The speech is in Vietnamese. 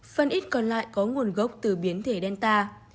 phần ít còn lại có nguồn gốc từ biến thể delta